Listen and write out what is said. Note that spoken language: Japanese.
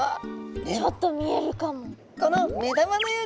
ちょっと見えるかも。